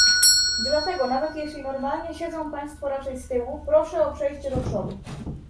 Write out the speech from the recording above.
Dlatego nawet jeśli normalnie siedzą państwo raczej z tyłu, proszę o przejście do przodu